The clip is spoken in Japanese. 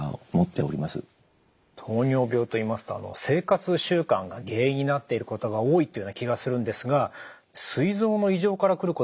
糖尿病といいますと生活習慣が原因になっていることが多いというような気がするんですがすい臓の異常から来ることもあるということですか？